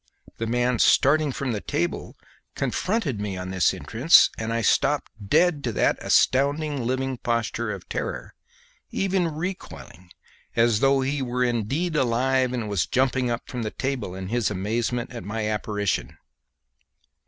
The man starting from the table confronted me on this entrance, and I stopped dead to that astounding living posture of terror, even recoiling, as though he were alive indeed, and was jumping up from the table in his amazement at my apparition.